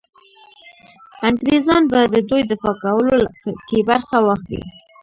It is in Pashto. انګرېزان به د دوی دفاع کولو کې برخه واخلي.